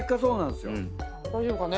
大丈夫かね。